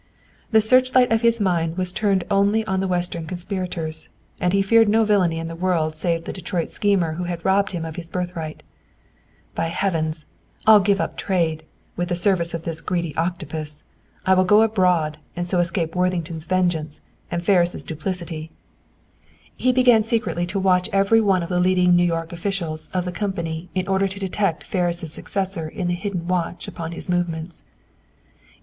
The searchlight of his mind was turned only on the Western conspirators, and he feared no villainy in the world save the Detroit schemer who had robbed him of his birthright. "By Heavens! I'll give up trade, the service of this greedy octopus. I will go abroad and so escape Worthington's vengeance, and Ferris' duplicity." He began to secretly watch every one of the leading New York officials of the company in order to detect Ferris' successor in the hidden watch upon his movements.